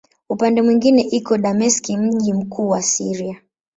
Upande mwingine iko Dameski, mji mkuu wa Syria.